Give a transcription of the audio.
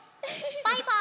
バイバーイ！